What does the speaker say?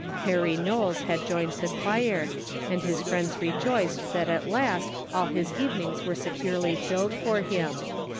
Harry Knowles had joined the choir, and his friends rejoiced that at last all his evenings were securely filled for him.